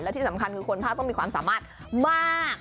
ที่สำคัญคือคนภาคต้องมีความสามารถมาก